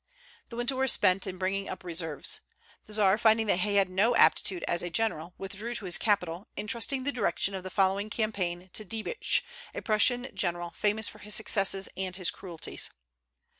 The winter was spent in bringing up reserves. The Czar finding that he had no aptitude as a general withdrew to his capital, intrusting the direction of the following campaign to Diebitsch, a Prussian general, famous for his successes and his cruelties.